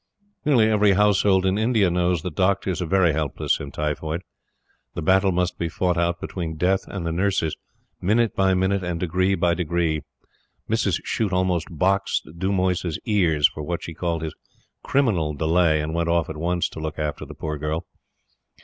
Nearly every household in India knows that Doctors are very helpless in typhoid. The battle must be fought out between Death and the Nurses, minute by minute and degree by degree. Mrs. Shute almost boxed Dumoise's ears for what she called his "criminal delay," and went off at once to look after the poor girl.